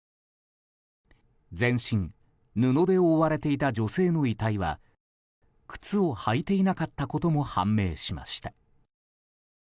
全身、布で覆われていた女性の遺体は靴を履いていなかったことも判明しました。